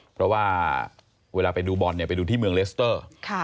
เพราะว่าเวลาไปดูบอลเนี่ยไปดูที่เมืองเลสเตอร์